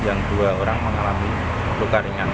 yang dua orang mengalami luka ringan